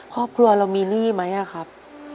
ครอบครัวเรามีหนี้ไหมครับ